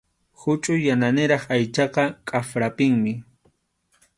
Huchʼuy yananiraq aychaqa k’ayrapinmi.